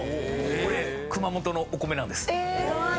これ熊本のお米なんです。